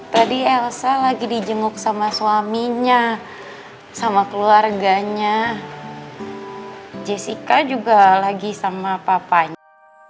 tadi elsa lagi di jenguk sama suaminya sama keluarganya jessica juga lagi sama papanya